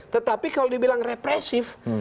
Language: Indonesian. tetapi kalau dibilang represif